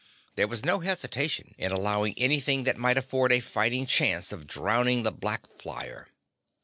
There was no hesitation in allowing anything that might afford a fighting chance of downing the black flyer.